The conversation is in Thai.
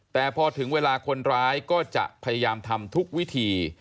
แต่พอถึงเวลาคนร้ายก็จะพยายามทำทุกวิธี